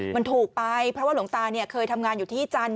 มันถูกไปเพราะว่าหลวงตาเคยทำงานอยู่ที่จันท